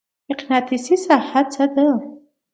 مقناطیسي ساحه څه ده؟